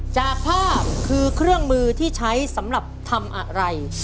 จากภาพคือเครื่องมือที่ใช้สำหรับทำอะไร